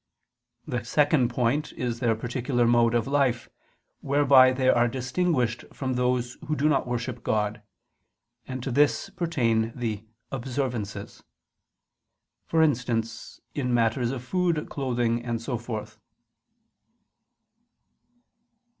The second point is their particular mode of life, whereby they are distinguished from those who do not worship God: and to this pertain the observances, for instance, in matters of food, clothing, and so forth.